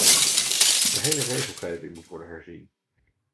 De hele regelgeving moet worden herzien.